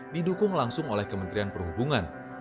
didukung langsung oleh kementerian perhubungan